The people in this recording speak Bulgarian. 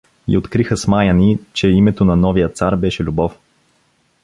И откриха, смаяни, че името на новия цар беше: Любов!